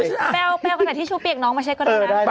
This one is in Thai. แป้วแป้วกระดาษทิชชูเปียกน้องมาเช็ดก่อนนะ